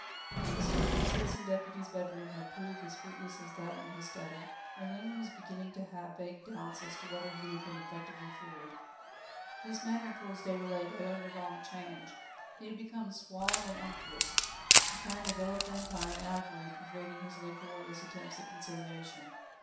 The search in the Citizen Deputy's bedroom had proved as fruitless as that in his study. Merlin was beginning to have vague doubts as to whether he had been effectively fooled. His manner towards Déroulède had undergone a change. He had become suave and unctuous, a kind of elephantine irony pervading his laborious attempts at conciliation.